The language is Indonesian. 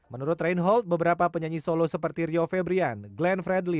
menurut rein hold beberapa penyanyi solo seperti rio febrian glenn fredly